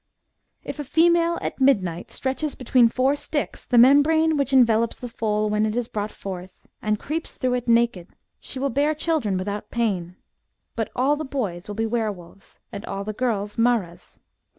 If a female at midnight stretches hetween four sticks the memhrane which envelopes the foal when it is brought forth, and creeps through it, naked, she wiU bear children without pain ; hut all the boys will be were wolves, and all the girls maras.